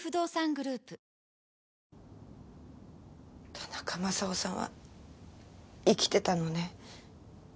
田中マサオさんは生きてたのね。